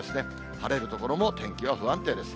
晴れる所も天気は不安定です。